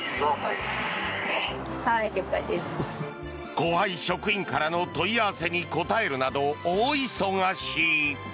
後輩職員からの問い合わせに答えるなど大忙し。